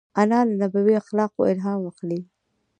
انا له نبوي اخلاقو الهام اخلي